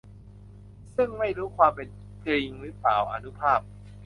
ซึ่งไม่รู้เป็นความจริงรึเปล่า อานุภาพ